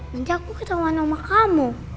nanti aku ketauan sama kamu